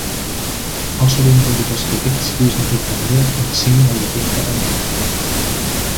Außerdem wurde das Gerichtswesen reformiert und zehn neue Richter ernannt.